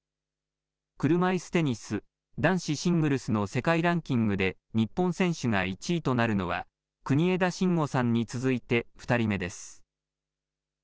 車いすテニス男子シングルスの世界ランキングで、日本選手が１位となるのは、国枝慎吾さんに続いて２人目です。